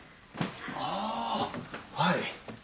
あぁはい。